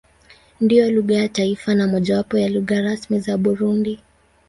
Ndiyo lugha ya taifa na mojawapo ya lugha rasmi za Burundi.